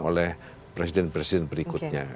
oleh presiden presiden berikutnya